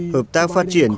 hợp tác phát triển